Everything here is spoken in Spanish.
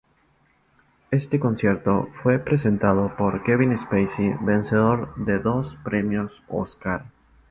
Este concierto fue presentado por Kevin Spacey vencedor de dos premios Oscar.